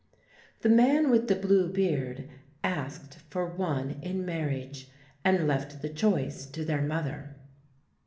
The man with the blue beard asked for one in marriage, and left the choice to their mother.